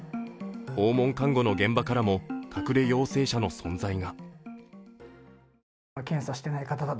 訪問看護の現場からも隠れ陽性者の存在が。